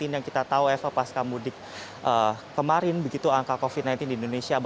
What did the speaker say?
yang kita tahu eva pasca mudik kemarin begitu angka covid sembilan belas di indonesia